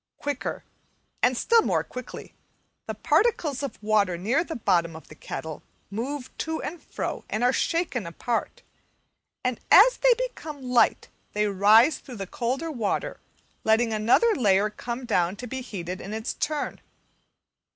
Quicker, and still more quickly, the particles of water near the bottom of the kettle move to and fro and are shaken apart; and as they become light they rise through the colder water letting another layer come down to be heated in its turn.